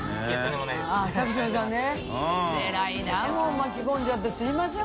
もう巻き込んじゃってすみません